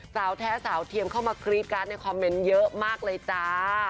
สาวแท้สาวเทียมเข้ามากรี๊ดการ์ดในคอมเมนต์เยอะมากเลยจ้า